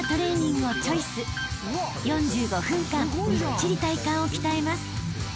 ［４５分間みっちり体幹を鍛えます］